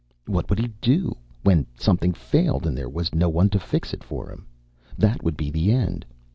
What would he do, when something failed and there was no one to fix it for him? That would be the end.